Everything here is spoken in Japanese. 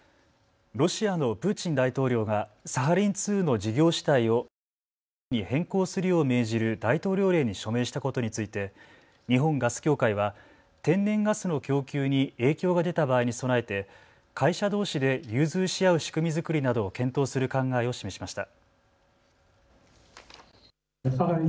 ロシアのプーチン大統領がサハリン２の事業主体をロシア企業に変更するよう命じる大統領令に署名したことについて日本ガス協会は天然ガスの供給に影響が出た場合に備えて会社どうしで融通し合う仕組み作りなどを検討する考えを示しました。